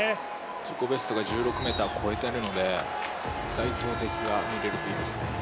自己ベストが１６ｍ超えているので、大投てきが見れるといいいですね。